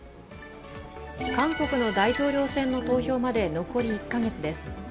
韓国の大統領選の投票まで残り１カ月です。